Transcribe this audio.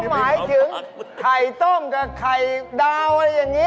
เข้าหมายถึงไข่โต้มไข่ดาวอะไรอย่างนี้